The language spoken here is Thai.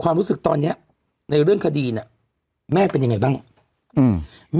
รู้สึกตอนเนี้ยในเรื่องคดีเนี้ยแม่เป็นยังไงบ้างอืม